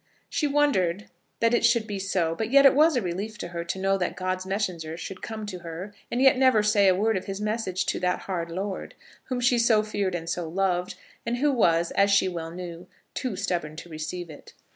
She wondered that it should be so, but yet it was a relief to her to know that God's messenger should come to her, and yet say never a word of his message to that hard lord, whom she so feared and so loved, and who was, as she well knew, too stubborn to receive it.